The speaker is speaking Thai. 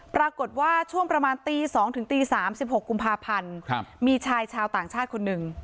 ปรากฏว่าช่วงประมาณตี๒ถึงตี๓๖กุมภาพันธ์มีชายชาวต่างชาติคนหนึ่ง